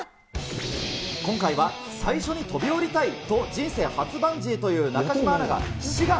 今回は最初に飛び降りたいと、人生初バンジーという中島アナが、志願。